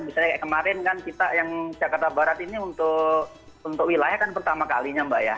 misalnya kayak kemarin kan kita yang jakarta barat ini untuk wilayah kan pertama kalinya mbak ya